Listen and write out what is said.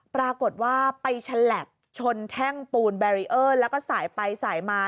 ปรากฏว่าไปฉลับชนแท่งปูนแบรีเออร์แล้วก็สายไปสายมา